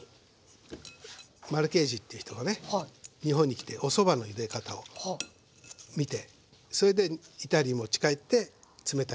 マルケージっていう人がね日本に来ておそばのゆで方を見てそれでイタリーに持ち帰って冷たいパスタをつくったんですね。